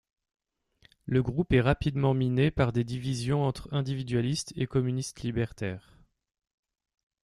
Le groupe est rapidement miné par des divisions entre individualistes et communistes libertaires.